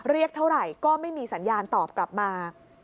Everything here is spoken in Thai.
เรียกเท่าไหร่ก็ไม่มีสัญญาณตอบกลับมา